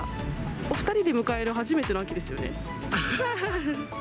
お２人で迎える初めての秋ですよね？